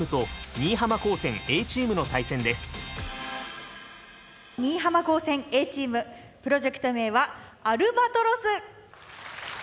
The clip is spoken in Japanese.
新居浜高専Ａチームプロジェクト名はアルバトロス。